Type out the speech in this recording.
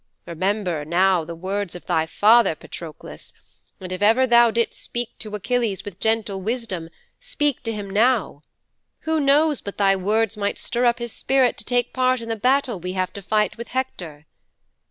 Remember now the words of thy father, Patroklos, and if ever thou did'st speak to Achilles with gentle wisdom speak to him now. Who knows but thy words might stir up his spirit to take part in the battle we have to fight with Hector?"'